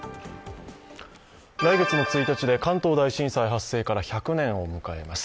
来月の１日で関東大震災発生から１００年を迎えます。